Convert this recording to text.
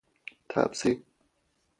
تپسی